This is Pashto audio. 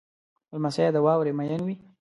لمسی د واورې مین وي.